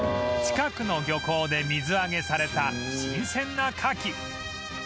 近くの漁港で水揚げされた新鮮なカキ